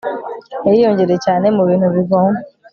yariyongereye cyane mubintu bivoma